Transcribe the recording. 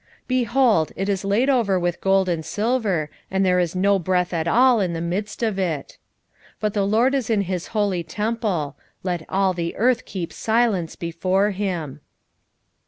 Behold, it is laid over with gold and silver, and there is no breath at all in the midst of it. 2:20 But the LORD is in his holy temple: let all the earth keep silence before him.